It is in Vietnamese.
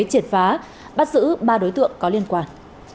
triệt phá bắt giữ ba đối tượng có liên quan